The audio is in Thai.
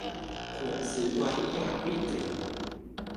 ควรซื้อไว้ยามวิกฤต